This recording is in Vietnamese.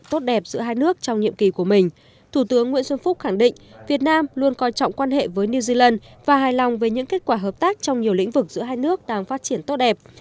thủ tướng nguyễn xuân phúc khẳng định việt nam luôn coi trọng quan hệ với new zealand và hài lòng với những kết quả hợp tác trong nhiều lĩnh vực giữa hai nước đang phát triển tốt đẹp